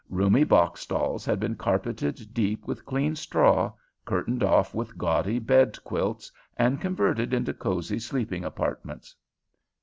Roomy box stalls had been carpeted deep with clean straw, curtained off with gaudy bed quilts, and converted into cozy sleeping apartments.